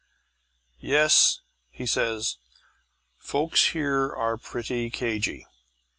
"Yes," he says, "folks here are pretty cagy.